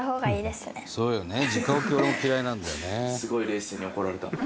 すごい冷静に怒られた。